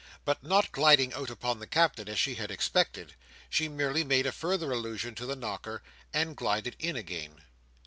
But not gliding out upon the Captain, as she had expected, she merely made a further allusion to the knocker, and glided in again.